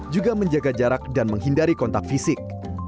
juga menjaga jarak dan menghindari kontak fisik